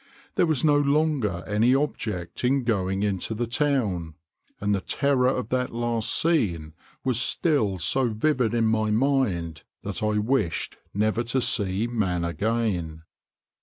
There was no longer any object in going into the town, and the terror of that last scene was still so vivid in my mind that I wished never to see man again.